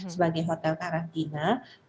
sebagai hotel karantina